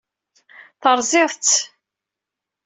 Terẓiḍ-tt.